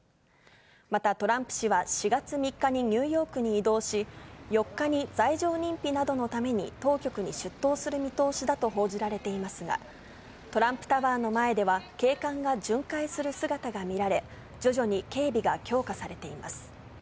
また、トランプ氏は４月３日にニューヨークに移動し、４日に罪状認否などのために当局に出頭する見通しだと報じられていますが、トランプタワーの前では警官が巡回する姿が見られ、徐々に警備が強化されています。